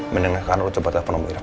mendengarkan lo cepet telepon om irfan